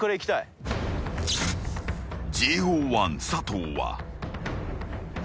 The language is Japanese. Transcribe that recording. ［ＪＯ１佐藤は］